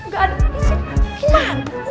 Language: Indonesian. gak ada sih gimana